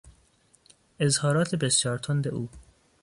اظهارات بسیار تند او